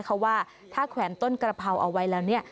เขาว่าถ้าแขวนต้นกระเพราเอาไว้แล้วเนี่ย